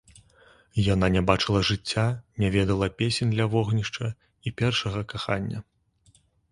Яна не бачыла жыцця, не ведала песень ля вогнішча і першага кахання.